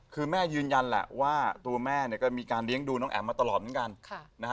คือแม่ยืนยันแหละว่าตัวแม่ก็มีการเลี้ยงดูน้องแอ๋มมาตลอดเหมือนกัน